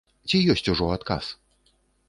Ці ёсць ужо адказ?